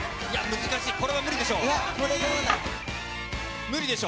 難しい、これは無理でしょ。